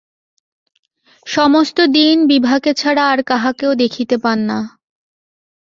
সমস্ত দিন বিভাকে ছাড়া আর কাহাকেও দেখিতে পান না।